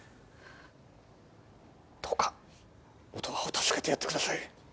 どうか音羽を助けてやってください